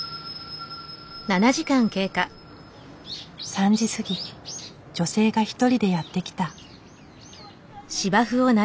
３時すぎ女性が１人でやって来た。